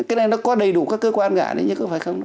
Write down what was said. cái này nó có đầy đủ các cơ quan gã đấy nhé có phải không